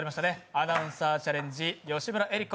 アナウンサーチャレンジ吉村恵里子